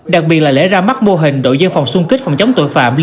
đặc biệt là lễ ra mắt mô hình đội dân phòng xung kích phòng chống tội phạm